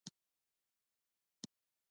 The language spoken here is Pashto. آیا ساختماني مواد له ایران نه راځي؟